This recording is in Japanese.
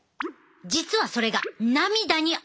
実はそれが涙にあるねん。